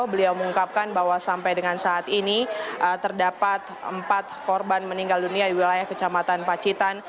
beliau mengungkapkan bahwa sampai dengan saat ini terdapat empat korban meninggal dunia di wilayah kecamatan pacitan